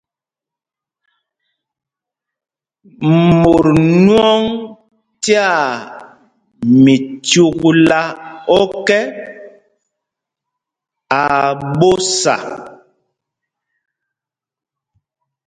Mot nwɔŋ tyaa mícúkla ɔ́kɛ, aa ɓósa.